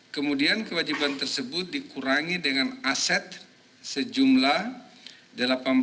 kemudian kewajiban tersebut dikurangi dengan aset sejumlah rp delapan belas